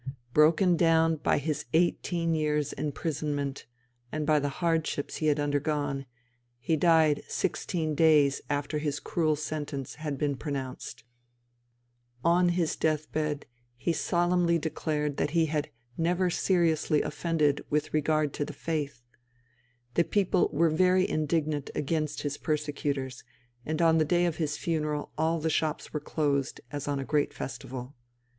Broken down by his eighteen years' imprisonment and by the hardships he had undergone, he died sixteen days after his cruel sentence had been pronounced. [Footnote: Cf. The Church of Spain, by Canon Meyrick. (National Churches Series.)] On his deathbed he solemnly declared that he had never seriously offended with regard to the Faith. The people were very indignant against his persecutors, and on the day of his funeral all the shops were closed as on a great festival.